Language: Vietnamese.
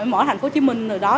mở thành phố hồ chí minh rồi đó